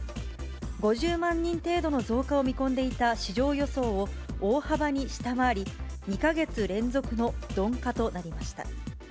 ５０万人程度の増加を見込んでいた市場予想を大幅に下回り、２か月連続の鈍化となりました。